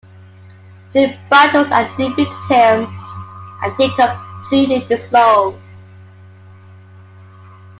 Jin battles and defeats him, and he completely dissolves.